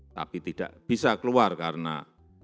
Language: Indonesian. tapi tidak bisa keluar karena masalah jaminan keamanan